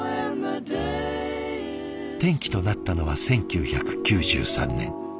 転機となったのは１９９３年。